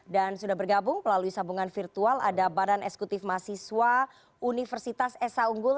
dan sudah bergabung melalui sabungan virtual ada badan eksekutif mahasiswa universitas esa unggul